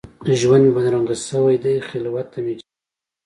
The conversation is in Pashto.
ژوند مي بدرنګ شوی دي، خلوت ته مي جمال راوړه